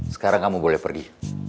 sekarang kamu boleh pergi